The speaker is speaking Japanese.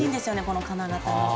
この金型の。